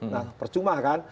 nah percuma kan